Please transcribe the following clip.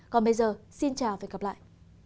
còn bây giờ xin chào và hẹn gặp lại